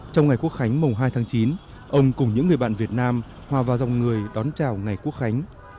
trong ngày quốc khánh mùng hai tháng chín ông cùng những người bạn việt nam hòa vào dòng người đón chào ngày quốc khánh